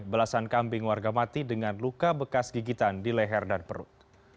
belasan kambing warga mati dengan luka bekas gigitan di leher dan perut